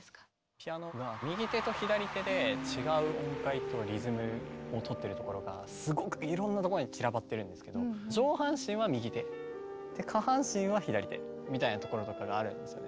ピアノが右手と左手で違う音階とリズムをとってるところがすごくいろんなところに散らばってるんですけど上半身は右手下半身は左手みたいなところとかがあるんですよね。